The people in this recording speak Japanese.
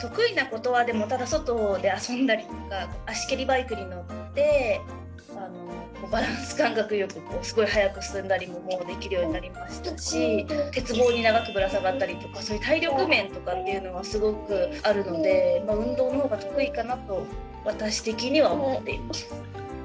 得意なことは外で遊んだりとか足蹴りバイクに乗ってバランス感覚よくすごい速く進んだりももうできるようになりましたし鉄棒に長くぶら下がったりとかそういう体力面とかがすごくあるので運動の方が得意かなと私的には思っています。